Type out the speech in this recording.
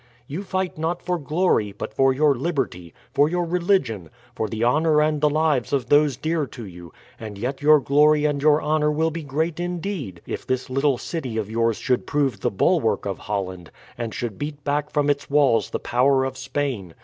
You fight not for glory, but for your liberty, for your religion, for the honour and the lives of those dear to you; and yet your glory and your honour will be great indeed if this little city of yours should prove the bulwark of Holland, and should beat back from its walls the power of Spain.